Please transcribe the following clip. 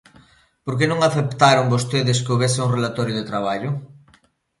¿Por que non aceptaron vostedes que houbese un relatorio de traballo?